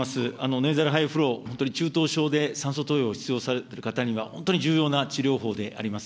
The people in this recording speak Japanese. ネーザルハイフロー、本当に中等症で酸素投与を必要とされる方には、本当に重要な治療法であります。